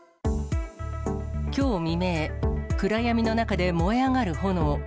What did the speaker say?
きょう未明、暗闇の中で燃え上がる炎。